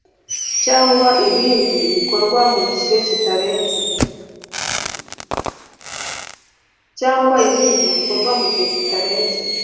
cyangwa ibindi bikorwa mu gihe kitarenze